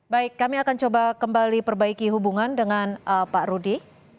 baik kami akan coba kembali perbaiki hubungan dengan pak rudi